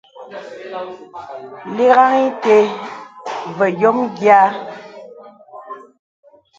Lìgāŋ ìtə̀ və yɔ̄mə yìâ.